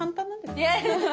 いや。